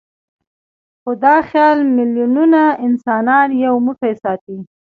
خو دا خیال میلیونونه انسانان یو موټی ساتي.